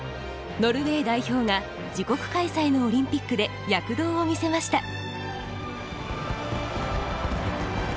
ノルウェー代表が自国開催のオリンピックで躍動を見せました。